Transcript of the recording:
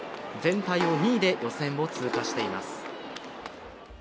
全体を２位で予選を通過しています